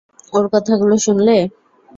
ওর কথাগুলো শুনলে?